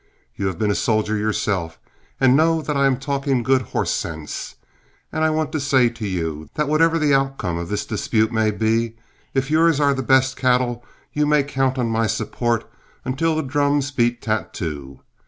You have been a soldier yourself and know that I am talking good horsesense, and I want to say to you that whatever the outcome of this dispute may be, if yours are the best cattle, you may count on my support until the drums beat tattoo.